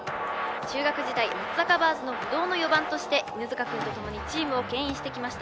中学時代松阪バーズの不動の４番として犬塚くんと共にチームを牽引してきました